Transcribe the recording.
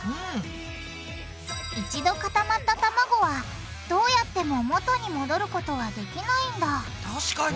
一度固まったたまごはどうやっても元に戻ることはできないんだ確かに。